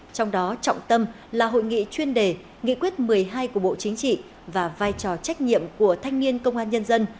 trong đó trọng tâm là hội nghị chuyên đề nghị quyết một mươi hai của bộ chính trị và vai trò trách nhiệm của thanh niên công an nhân dân